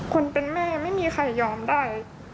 คนเป็นแม่อย่างงี้ไม่มีใครยอมได้